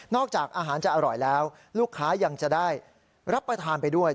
จากอาหารจะอร่อยแล้วลูกค้ายังจะได้รับประทานไปด้วย